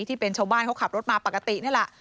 ที่เป็นชาวบ้านเขาขับรถมาปกตินี่แหละ